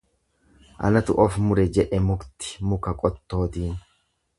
Anatu of mure jedhe mukti muka qottootiin.